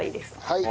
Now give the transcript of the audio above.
はい。